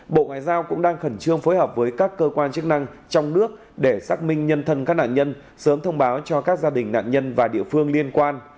bộ ngoại giao cũng đang khẩn trương phối hợp với các cơ quan chức năng trong nước để xác minh nhân thân các nạn nhân sớm thông báo cho các gia đình nạn nhân và địa phương liên quan